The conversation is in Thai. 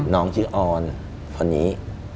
น้องชื่อออนคนนี้